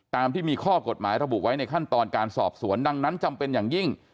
ตามที่มีข้อกฎหมายระบุไว้ในขั้นตอนการสอบสวนดังนั้นจำเป็นอย่างยิ่ง